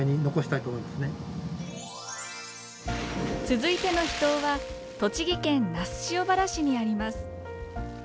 続いての秘湯は栃木県那須塩原市にあります。